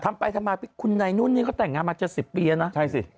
ทำไปทำมาคุณในนู้นนี้ก็แต่งงานมาเจอปีจริงนะ